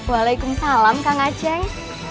waalaikumsalam kang aceng